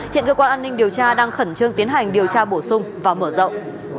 hiện cơ quan an ninh điều tra đang khẩn trương tiến hành điều tra bổ sung và mở rộng